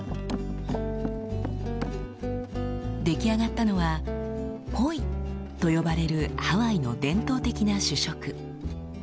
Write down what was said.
出来上がったのは「ポイ」と呼ばれるハワイの伝統的な主食。